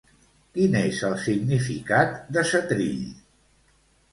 Quin és el significat de setrill?